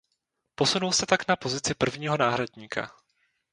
Posunul se tak na pozici prvního náhradníka.